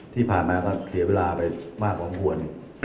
ที่ผ่านมาเสียเวลาไปมากกว่าควร